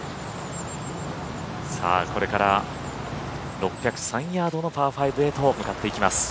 これから６０３ヤードのパー５へと向かっていきます。